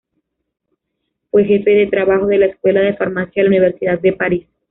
Fue Jefe de trabajo de la Escuela de Farmacia de la Universidad de París.